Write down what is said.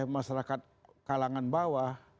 masyarakat kalangan bawah